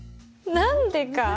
何でか？